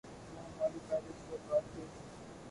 وہ ہماری پہلی ملاقات تھی۔